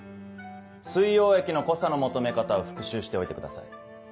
水溶液の濃さの求め方を復習しておいてください。